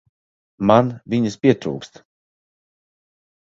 Man viņas pietrūkst.